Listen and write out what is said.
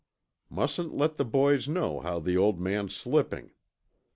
Mustn't let the boys know how the old man's slipping.